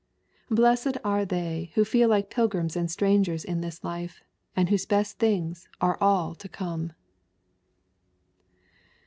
Blessed are they who feel like pilgrims and strangers in this life, and whose best things are all to come